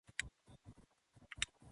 そろそろ寝ようかな